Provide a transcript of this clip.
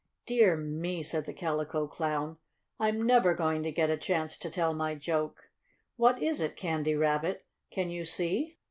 "Dear me!" said the Calico Clown, "I'm never going to get a chance to tell my joke. What is it, Candy Rabbit? Can you see?"